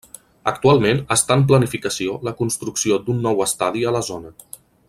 Actualment està en planificació la construcció d'un nou estadi a la zona.